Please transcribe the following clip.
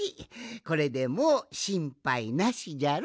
これでもうしんぱいなしじゃろ？